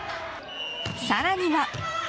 さらには。